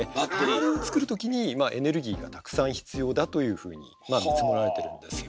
あれを作る時にまあエネルギーがたくさん必要だというふうに見積もられてるんですよ。